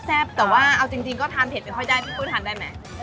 แต่ว่าเอาจริงก็ทานเผ็ดไม่ค่อยได้พี่ปุ้ยทานได้ไหม